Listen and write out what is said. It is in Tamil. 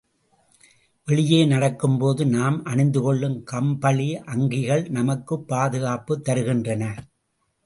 வெளியே நடக்கும்போது நாம் அணிந்துகொள்ளும் கம்பளி அங்கிகள் நமக்குப் பாதுகாப்புத் தருகின்றன.